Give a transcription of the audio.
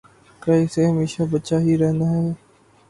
کیا اسے ہمیشہ بچہ ہی رہنا ہے؟